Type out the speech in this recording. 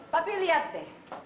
papi lihat deh